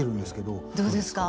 どうですか？